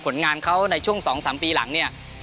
ผลงานเขาในช่วง๒๓ปีหลังเนี่ย